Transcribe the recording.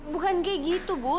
bukan kayak gitu bu